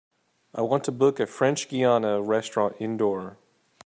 I want to book a French Guiana restaurant indoor.